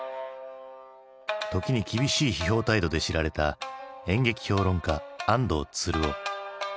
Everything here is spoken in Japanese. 時に厳しい批評態度で知られた演劇評論家安藤鶴夫。